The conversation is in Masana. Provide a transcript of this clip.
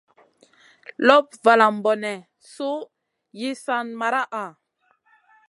Lop nalam bone su yi san maraʼha?